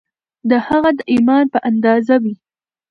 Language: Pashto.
د هغه د ایمان په اندازه وي